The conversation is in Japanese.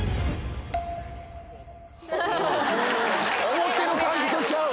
思うてる感じとちゃう。